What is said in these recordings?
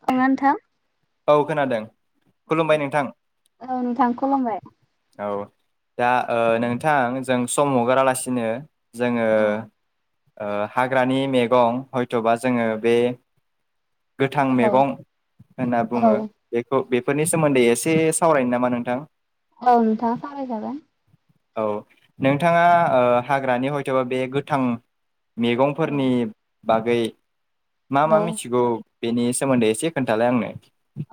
थाङा नोंथां। औ खोनादों औ खुलुमबाय नोंथां औ नोंथां खुलुमबाय। औ। दा ओ औ नोंथां जों सम हगारालासिनो जोङो औ ओ हाग्रानि मैगं हयथ'बा जोङो बे गोथां औ मेगं होनना बुङो बेखौ बे। बेनि सोमोन्दै एसे सावरायनो नामा नोंथां। औ नोंथां सावराय जागोन। औ नोंथाङा हाग्रानि हयथ'बा बे गोथां। औ मेगंफोरनि बागै मा मा मिथिगौ। बेनि सोमोन्दै एसे खोन्थालाय आंनो।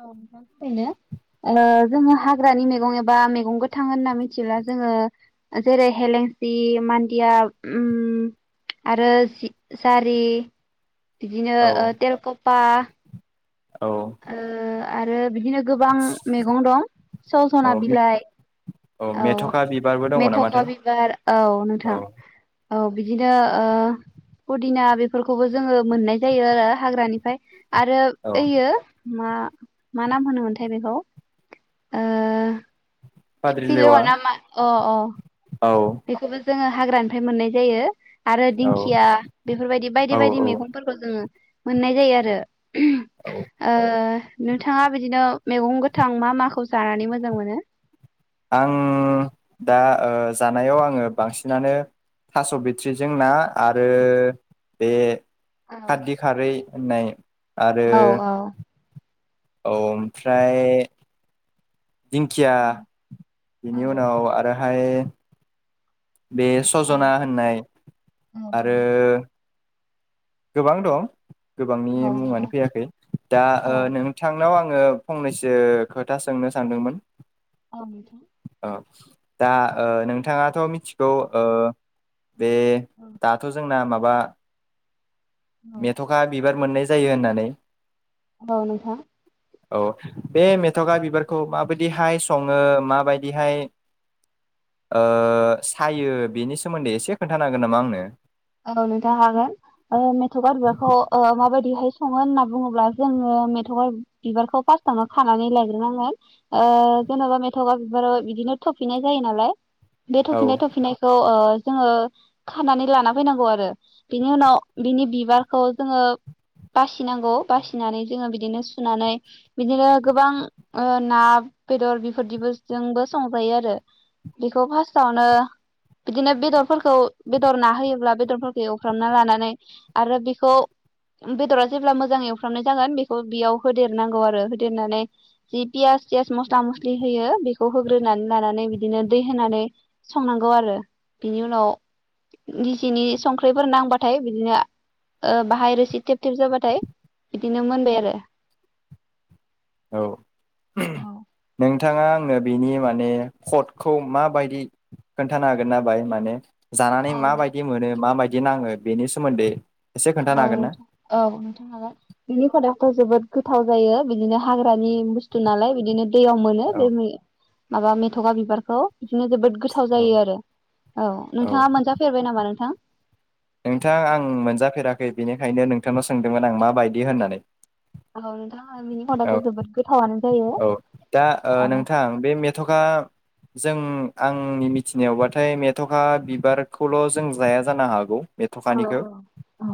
औ नोंथां थारैनो जोङो हाग्रानि मैगं एबा मैगं गोथा होनना मिथिब्ला जोङो जेरै हेलेंसि मान्दिया आरो जारि। बिदिनो औ तेलखफा। औ ओ आरो। बिदिनो गोबां मैगं दं औ सजना बिलाइ औ मेथ'खा बिबारबो दङ मेथ'खा नामाथाय बिबार औ औ नोंथां। औ बिदिनो पुदिना बेफोरखौबो जोङो मोननाय जायो आरो हाग्रानिफ्राय आरो औ ओयो मा मा नाम होनोमोनथाय बेखौ फाद्रिलेवा खिफिलेवा नामा अ अ औ बेखौबो जोङो हाग्रानिफ्राय मोननाय जायो‌। आरो औ दिंखिया बेफोरबायदि औ बायदि बायदि औ मेगंफोरखौ जोङो मोननाय जायो आरो। औ ओ नोंथाङा बिदिनो मेगं गोथां मा माखौ जानानै मोजां मोनो। आं दा ओ जानायाव आङो बांसिनानो थास' बिथ्रिजों ना आरो बे औ खारदै खारै होननाय आरो औ औ ओमफ्राय दिंखिया औ बेनि औ उनाव आरो हाय बे औ सज'ना होननाय औ आरो गोबां दं गोबांनि औ नंगौ मुङानो फैयाखै दा औ ओ नोंथांनाव आं ङो फंनैसो खोथा सोंनो सानदोंमोन [unintelligible] [unintelligible] दा ओ नोंथाङाथ' मिथिगौ ओ बे औ दाथ' जोंना माब बा औ मेथ'खा बिब बार मोननाय जायो होननानै औ नोंथां औ बे मेथ'गा बिबारखौ माबायदिहाय सङो माबायदिहाय ओ सायो बेनि सोमोन्दै एसे खोन्थानो हागोन नामा आंनो औ नोंथां हागोन ओ मेथ'गा बिबारखौ ओ माबायद दिहाय सङो होनना बुङोब्ला जोङो मेथ'गा बिबारखौ फास्टावनो खानानै लायग्रोनांगोन ओ जेन'बा मेथगा बिबाराव बिदिनो थफिनाय जायो नालाय बे औ थ'फिनाय थफिनायखौ ओ जोङो खानानै लाना फैनांगौ आरो बिनि उनाव बिनि बिबारखौ जोङो बासिनांगौ बासिनानै जोङो बिदिनो सुनानै बिदिनो गोबां ना ओ बेदर बेफोरदिबो जोंबो संजायो आरो बेखौ फास्टावनो बिदिनो बेदरफोरखौ बेदर ना होयो ब्ला बेदरफोरखौ एवफ्रामना लानानै आरो बेखौ बेदरा जेब्ला मोजाङै एवफ्रामनाय जागोन बेखौ बेयाव होदेरनांगौ आरो होदेरनानै जि पियास थियास मस्ला मस्लि होयो बेखौ होग्रोनानै लानानै बिदिनो दै होनानै संनांगौ आरो बिनि उनाव [unintelligible] सिनि संख्रिफोर नांबाथाय बिदिनो ओ बाहाय रोसि थेब थेब जाबाथाय बिदिनो मोनबाय आरो औ नोंथाङा आंनो बेनि माने खटखौ माबायदि खोन्थानो हागोन ना बाय माने जानानै औ माबायदि मोनो माबायदि नाङो बेनि सोमोन्दै एसे खोन्थानो औ हागोन ना नोंथां औ नोंथां हागोन बिनि खदाथ' जोबोद गोथाव जायो बिदिनो हाग [unintelligible] ग्रानि बुस्थु नालाय बिदिनो दैयाव मोनो औ बे मै माबा मेथ'गा बिबारखौ बिदिनो जोबोद गोथाव औ जायो आरो औ नोंथाङा मोनजाफेरबाय नामा नोंथां नोंथां आं मोनजाफेराखै बेनिखायनो नोंथांनाव सोंदोंमोन आं माबायदि होननानै औ नोंथां ओं बिनि औ खदाथ' जोबोद गोथावानो जायो औ दा ओ औ नोंथां बे मेथ'खा जों आंनि मिथिनायावबाथाय मेथ'खा बिबारखौल' जों जाया जानो हागौ मेथ'खानिखौ औ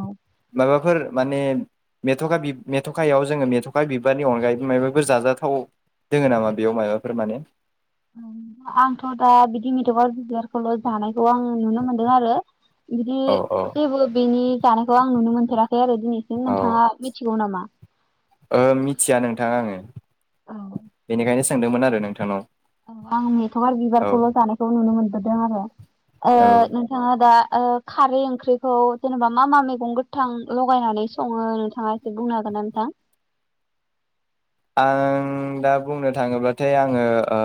माबाफोर माने मेथ'खा बि मेथ'खायाव जोङो मेथ'खा बिबारनि अनगायैबो मायबाफोर जाजाथाव दोङो नामा बेयाव मायबाफोर माने आंथ' दा बिदि मेथ'खा बिबारखौल' जानाय आं नुनो मोनदों आरो बिदि औ औ जेबो बेनि जानायखौ आं नुनो मोनफेराखै आरो दिनैसिम औ नोंथाङा मिथिगौ नामा मिथिया नोंथां आङो औ बेनिखायनो सोंदोंमोन आरो नोंथांनाव औ आं मेथखा औ बिबारखौल जानायखौ नुनो मोनदों आरो ओ औ नोंथाङा दा ओ खारै ओंख्रिखौ जेनेबा मा मा मैगं गोथां लगायनानै सङो नोंथाङा एसे बुंनो हागोना नोंथां आं दा बुंनो थाङोब्लाथाय आङो ओ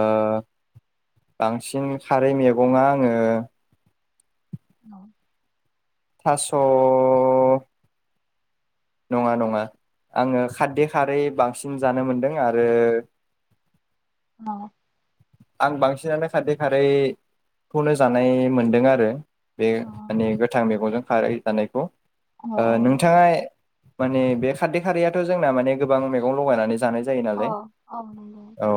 बांसिन खारै मैगङा आङो औ थास नङा नङा आङो खारदै खारै बांसिन जानो मोनदों आरो औ आं बांसिनानो खारदै खारैखौनो जानाय मोनदों आरो बे माने गोथां मैगंजों खारै जानाय अ अ ओ नोंथाङा माने बे खारदै खारैयाथ जोंना माने गोबां मैगं लगायनानै जानाय जायो नालाय औ नंगौ औ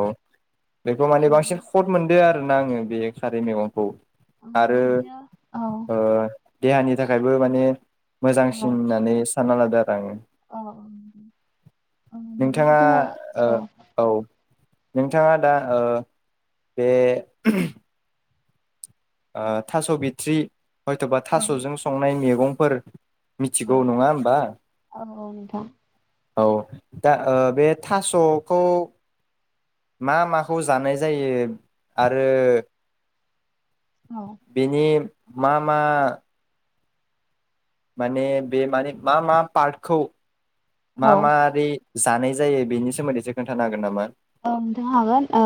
बेखौ मने एसे बिदि खट मोनदो आरो आङो बे खारै मैगंखौ औ आरो बिदिनो औ ओ देहानि थाखायबो माने मोजांसिन औ होननानै सानना लादो आरो औ बिदिनो नोंथाङा जोङो औ औ नोंथाङा दा ओ बे थास बिथ्रि हयथबा औ थासजों संनाय मैगंफोर मिथिगौ औ नङा होमबा औ नोंथां औ दा बे थासखौ मा माखौ जानाय जायो आरो। औ बेनि। मा मा माने बे माने मा मा पार्टखौ मा औ मारि जानाय जायो बेनि सोमोन्दै इसे खोन्थानो हागोन नामा। ओन्थानो हागोन ओ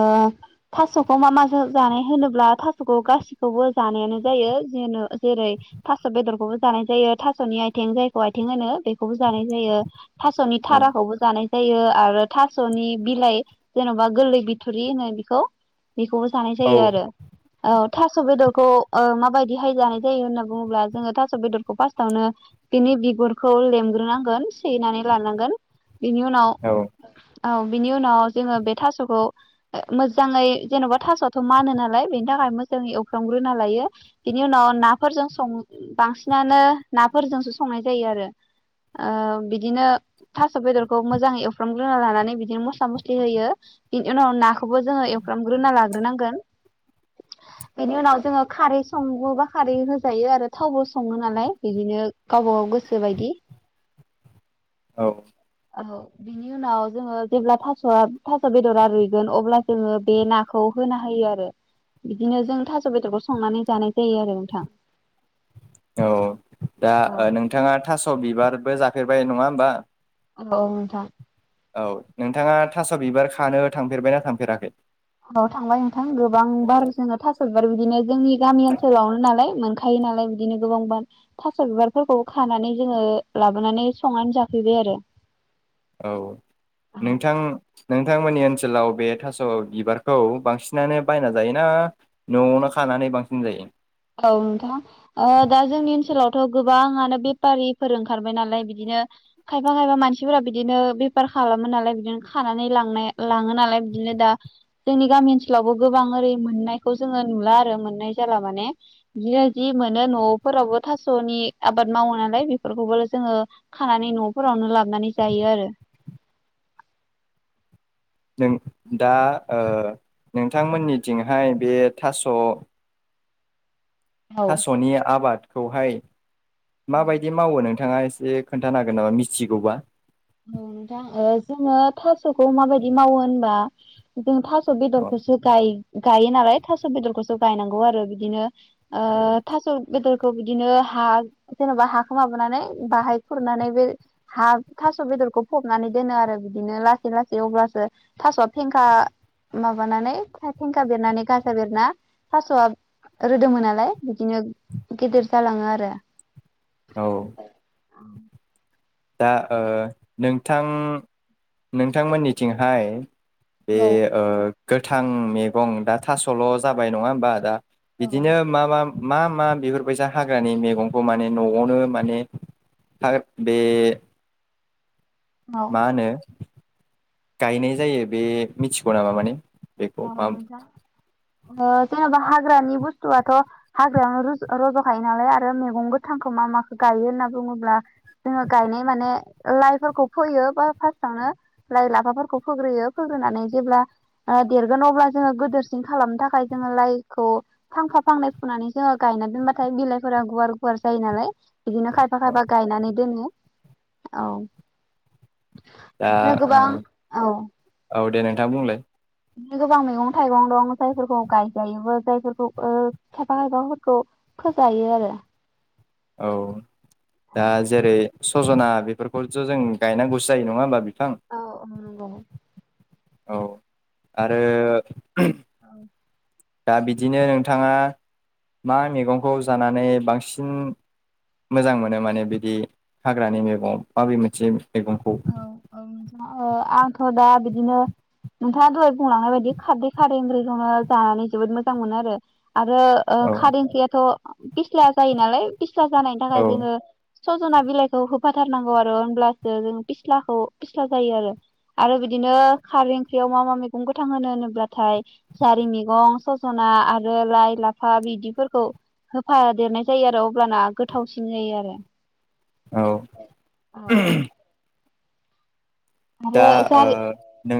थास'खौ मा माजों जानाय होनोब्ला थास'खौ गासिखौबो जानायानो जायो जेन जेरै थास' बेदरखौबो जानाय जायो थास'नि आयथें जायखौ आयथें होनो बेखौबो जानाय जायो थास'नि औ थाराखौबो जानाय जायो आरो थास'नि बिलाइ जेनबा गोल्लै बिथुरि होनो बिखौ बिखौबो जानाय जायो आरो। औ औ थास' बेदरखौ ओ माबायदिहाय जानाय जायो होनना बुङोब्ला जोङो थास' बेदरखौ फास्टावनो बिनि बिगुरखौ लेमग्रोनांगोन सैनानै लानांगोन बिनि उनाव औ बिनि उनाव जोङो बे थास'खौ ओ मोजाङै जेन'बा थास'आथ' मानो नालाय बेनि थाखाय मोजाङै एवफ्रामग्रोना लायो बिनि उनाव नाफोरजों संङो बांसिनानो नाफोरजोंसो संनाय जायो आरो ओ बिदिनो थास' बेदरखौ मोजाङै एवफ्रामग्रोना लानानै बिदिनो मस्ला मस जि होयो बिनि उनाव नाखौबो जोङो एवफ्रामग्रोना लाग्रोनांगोन बेनि उनाव जोङो खारै सङोबा खारै होजायो आरो थावबो सङो नालाय बिदिनो गावबा गाव गोसो बायदि औ। औ बिनि उनाव जोङो जेब्ला था स'आ थास' बेदरा रुइगोन अब्ला जोङो बे नाखौ होना होयो आरो बिदिनो जों थास' बेदरखौ संनानै जानाय जायो आरो नोंथां। औ दा औ ओ नोंथाङा थास' बिबारबो जा फेरबाय नङा होमबा। औ नोंथां। औ नोंथाङा थास' बिबार खानो थांफेरबायना थांफेराखै। औ थांबाय नोंथां गोबां बार जोङो थास' बिदिनो जोंनि [inaudible] गामि ओनसोलावनो नालाय। मोनखायो नालाय बिदिनो गोबांबा थास' बिबारफोरखौ खानानै जोङो ओ लाबोनानै संनानै जाफैबाय आरो। औ औ नोंथां नोंथांमोननि ओनसोलाव बे थास' बिबारखौ बांसिनानो बायना जायोना न'आवनो खानानै बांसिन जायो। औ नोंथां ओ दा जोंनि ओनसोलावथ' गोबाङानो बेपारिफोर ओंखारबाय नालाय बिदिनो खायफा खायफा मानसिफोरा बिदिनो बेपार खालामो नालाय बिदिनो खानानै लांनाय लाङो नालाय बिदिनो दा जोंनि गामि ओनसोलावबो गोबां ओरै मोननायखौ जोङो नुला आरो मोननाय जाला माने दिनो जि मोनो न'फोरावबो थास'नि आबाद मावो नालाय बेफोरखौबो जोङो खानानै न'फोरावनो लाबनानै जायो आरो। जों दा ओ नोंथांमोननिथिंहाय बे थास' औ थास'नि आबाद खौहाय माबायदि मावो नों थाङा एसे खोन्थानो हागोन नामा मिथिगौबा? औ नथां ओ जोङो थास'खौ माबायदि मावो होनबा जों थास औ बेदरखौसो गाय गायो नालाय थास बेदरखौसो गायनांगौ आरो बिदिनो ओ थास' बेदरखौ बिदिनो हा जेनेबा हाखौ माबानानै बाहाय खुरनानै बे हा थास' बेदरखौ फबनानै दोनो आरो बिदिनो लासै लासै अब्लासो थास'आ फेंखा माबानानै फेंखा बेरनानै गाजा बेरना थास'आ रोदोममोन नालाय बिदिनो गेदेर जालाङो आरो। औ। [inaudible] दा ओ नोंथां नोंथांमोननिथिंहाय बे औ ओ गोथां मैगं दा थास'ल जाबाय नङा होमबा दा? बिदिनो मा मा? मा मा बेफोरबायसा हाग्रानि मैगंखौ माने न'आवनो माने हा बे औ माहोनो? गायनाय जायो बे मिथिगौ नामा माने? बेखौ औ मा नोंथां जेनबा हा हाग्रानि बुस्थुवाथ हाग्रायावन रज'खायो नालाय आरो मैगं गोथांखौ मा माखौ गायो होनना बुङोब्ला जोंङो गानाय माने लाइफोरखौ फोयो [unintelligible] लाइ लाफाफोरखौ फोग्रोयो फोग्रोनानै जेब्ला ओ देरगोन अब्ला जोङो गोदोरसिन खालामनो थाखाय जोङो लाइखौ फांफा फांनै फुनानै जोङो गायना दोनबाथाय बिलाइफोरा गुवार गुवार जायो नालाय बिदिनो खायफा खायफा गायनानै दोनो। औ। दा बिदिनो गोबां औ। थां बुंलाय। बिदिनो गोबां मैगं-थाइगं दं जायफोरखौ गायजायोबो जायफोरखौ ओ खायफा खायफाफोरखौ फोजायो आरो। औ। दा औ जेरै सजना बेफोरखौज जों गायनांगौसो जायो नङा होमबा बि औ औ [unintelligible] औ आरो औ दा बिदिनो नोंथाङा मा मैगंखौ जानानै बांसिन मोजां मोनो माने बिदि हाग्रानि मैगं माबे मोनसे मैगंखौ औ औ ओ आंथ' दा बि बिदिनो नोंथाङा दहाय बुंलांनाय बायदि खारदै खारदै ओंख्रिखौनो जानानै जोबोद मोजां मोनो आरो। आरो औ खारेनखायाथ' पिस्ला जायो नालाय फिस्ला जानायनि औ थाखाय जोङो सजना बिलाइखौ होफाथारनांगौ आरो होमब्लासो जों फिस्लाखौ फिस्ला जायो आरो आरो बिदिनो खारै ओंख्रियाव मा मा मैगं गोथां होनो होनोब्लाथाय जारि मैगं सजना आरो लाइ लाफा बिदिफोरखौ होफादेरनाय जायो आरो अब्लाना गोथावसिन जायो आरो। औ दा आरो ओ जारि नों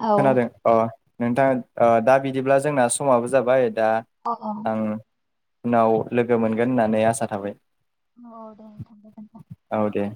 औ अ नोंथां ओ दा बिदिब्ला जोंना समाबो जाबाय दा औ औ आं उनाव लोगो मोनगोन होननानै आसा थाबाय औ दे नोंथां गोजोनथों औ दे